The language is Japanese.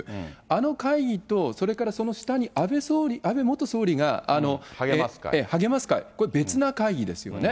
あの会議と、それからその下に安倍元総理が励ます会、これ、別な会ですよね。